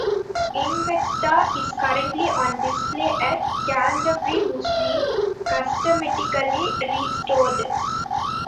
"Invicta" is currently on display at Canterbury Museum, cosmetically restored.